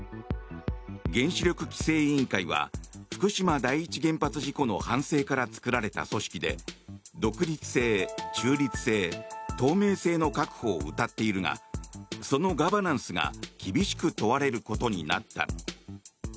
原子力規制委員会は福島第一原発事故の反省から作られた組織で独立性、中立性、透明性の確保をうたっているがそのガバナンスが厳しく問われることになった。